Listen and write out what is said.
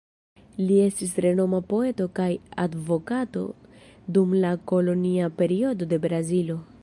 Li estis renoma poeto kaj advokato dum la kolonia periodo de Brazilo.